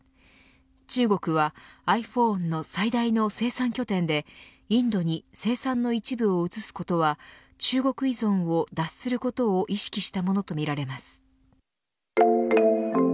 中国はｉＰｈｏｎｅの最大の生産拠点でインドに生産の一部を移すことは中国依存を脱することを意識したものとみられます。